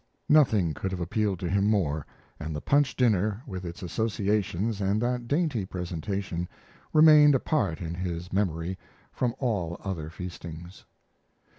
Nothing could have appealed to him more, and the Punch dinner, with its associations and that dainty presentation, remained apart in his memory from all other feastings.